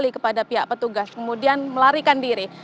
kembali kepada pihak petugas kemudian melarikan diri